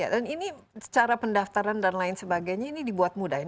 dan ini secara pendaftaran dan lain sebagainya ini dibuat mudah